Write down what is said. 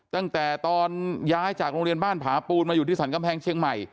ตั้งแต่ตอนย้ายจากโรงเรียนบ้านผาปูนมาอยู่ที่สรรกำแพงเชียงใหม่